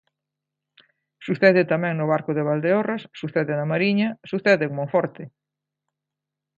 Sucede tamén no Barco de Valdeorras, sucede na Mariña, sucede en Monforte.